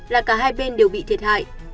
là cả hai bên đều bị thiệt hại